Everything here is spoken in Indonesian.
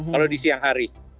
kalau di siang hari